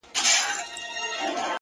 تڼاکي پښې دي زخم زړه دی رېگ دی دښتي دي